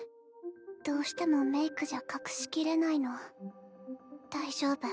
どうしてもメイクじゃ隠しきれないの大丈夫。